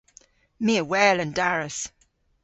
My a wel an daras.